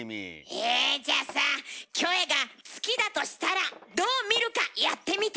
えじゃあさキョエが月だとしたらどう見るかやってみて。